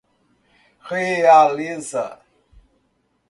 Realeza